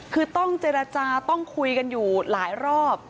คือต้องเจรจาต้องคุยกันอยู่หลายรอบ